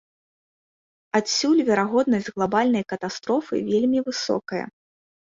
Адсюль верагоднасць глабальнай катастрофы вельмі высокая.